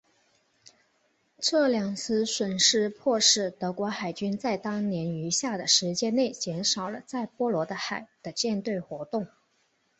这两次损失迫使德国海军在当年余下的时间内减少了在波罗的海的舰队活动。